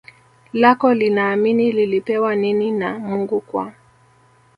lako linaamini lilipewa nini na Mungu kwa